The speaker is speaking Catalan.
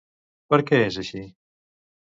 Per què és així?